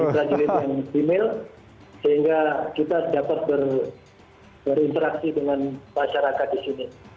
sehingga kita dapat berinteraksi dengan masyarakat di sini